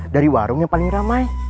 dari warung yang paling ramai